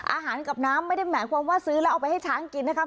อาหารกับน้ำไม่ได้หมายความว่าซื้อแล้วเอาไปให้ช้างกินนะครับ